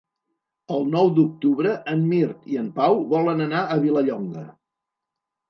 El nou d'octubre en Mirt i en Pau volen anar a Vilallonga.